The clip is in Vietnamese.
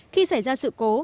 khi xảy ra sự cố